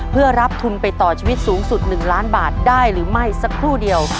เพื่อรับทุนไปต่อชีวิตสูงสุด๑ล้านบาทได้หรือไม่สักครู่เดียว